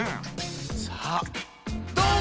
さあどん！